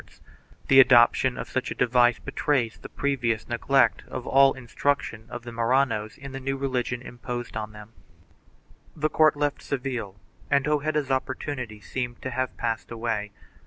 156 ESTABLISHMENT OF THE INQUISITION [BOOK I adoption of such a device betrays the previous neglect of all instruction of the Marranos in the new religion imposed on them. The court left Seville and Hojeda's opportunity seemed to have passed away.